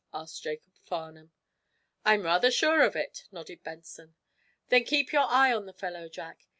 asked Jacob Farnum. "I'm rather sure of it," nodded Benson. "Then keep your eye on the fellow, Jack.